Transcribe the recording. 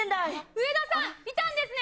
植田さん、いたんですね。